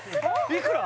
いくら！？